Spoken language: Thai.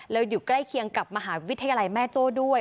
แล้วอยู่ใกล้เคียงกับมหาวิทยาลัยแม่โจ้ด้วย